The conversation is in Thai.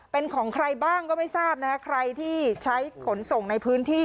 เป็นของใครบ้างก็ไม่ทราบนะคะใครที่ใช้ขนส่งในพื้นที่